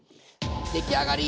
出来上がり！